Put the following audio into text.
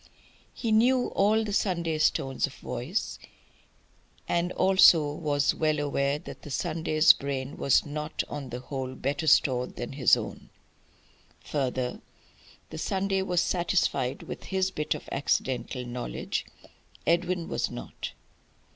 He knew all the Sunday's tones of voice; and he also was well aware that the Sunday's brain was not on the whole better stored than his own. Further, the Sunday was satisfied with his bit of accidental knowledge. Edwin was not.